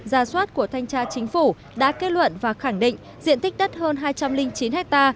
gia soát của thanh tra chính phủ đã kết luận và khẳng định diện tích đất hơn hai trăm linh chín ha